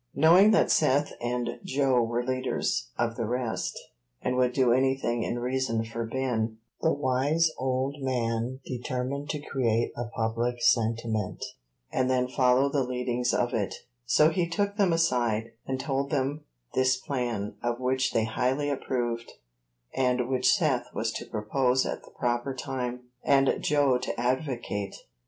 Knowing that Seth and Joe were leaders of the rest, and would do anything in reason for Ben, the wise old man determined to create a public sentiment, and then follow the leadings of it; so he took them aside, and told them this plan, of which they highly approved, and which Seth was to propose at the proper time, and Joe to advocate.